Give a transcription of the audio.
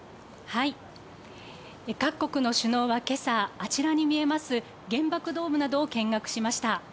各国の首脳はけさ、あちらに見えます、原爆ドームなどを見学しました。